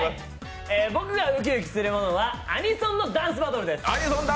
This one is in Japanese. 僕がウキウキするものはアニソンのダンスバトルです。